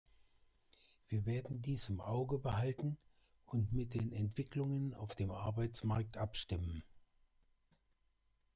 Wir werden dies im Auge behalten und mit den Entwicklungen auf dem Arbeitsmarkt abstimmen.